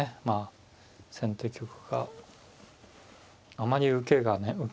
まあ先手玉があまり受けがね